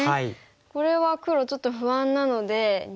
これは黒ちょっと不安なので逃げると。